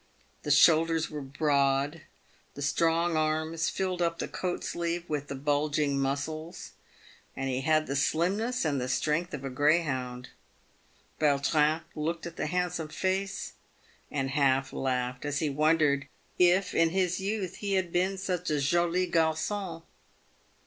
The shoulders were broad, the strong arms filled up the coat sleeve with the bulging muscles, and he had the slimness and the strength of a greyhound. Vautrin looked at the handsome face, and half laughed as he wondered if in his youth he had been such ajoli garqon.